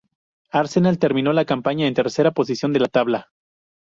Arsenal terminó la campaña en la tercera posición de la tabla.